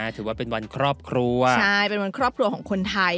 ถือว่าเป็นวันครอบครัวใช่เป็นวันครอบครัวของคนไทย